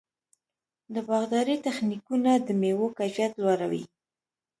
د باغدارۍ تخنیکونه د مېوو کیفیت لوړوي.